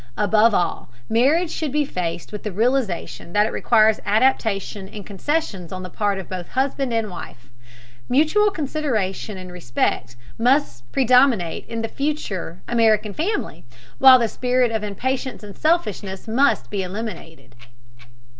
Above all, marriage should be faced with the realization that it requires adaptation and concessions on the part of both husband and wife. Mutual consideration and respect must predominate in the future American family, while the spirit of impatience and selfishness must be eliminated.